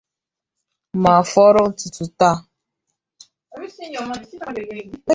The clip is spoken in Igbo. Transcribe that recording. ma foro ntutu taa